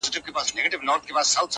نه مي ښېرا پکي قبلیږي نه دعا ملگرو